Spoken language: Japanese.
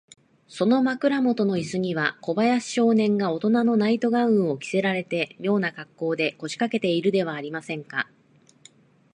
その枕もとのイスには、小林少年がおとなのナイト・ガウンを着せられて、みょうなかっこうで、こしかけているではありませんか。